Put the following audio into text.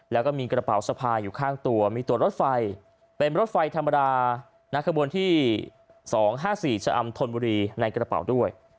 แล้วก็มีกระเป๋าสะพายอยู่ข้างตัวมีตัวรถไฟเป็นรถไฟธรรมดานักขบวนที่๒๕๔ชะอำธนบุรีในกระเป๋าด้วย